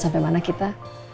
sampai mana kita